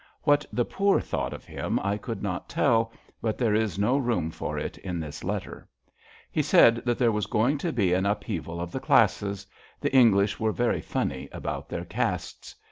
What the poor thonght of him I conld not tell, but there is no room for it in this letter. He said that there was going to be an upheaval of the classes — ^the English are very fanny about their castes.